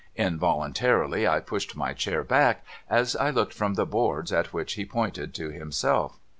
Involuntarily I pushed my chair back, as I looked from the boards at which he pointed to himself.